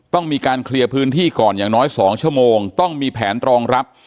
ต้องมีการเคลียร์พื้นที่ก่อนอย่างน้อย๒ชั่วโมงต้องมีแผนรองรับ